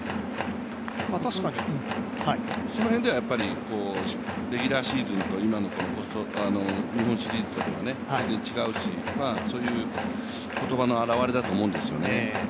確かにその辺ではレギュラーシーズンと日本シリーズと全然違うし、そういう言葉のあらわれだと思うんですね。